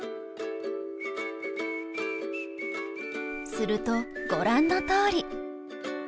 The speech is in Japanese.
するとご覧のとおり。